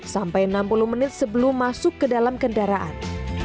sampai enam puluh menit sebelum masuk ke dalam kendaraan